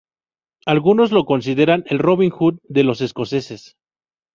Algunos lo consideran el Robin Hood de los escoceses.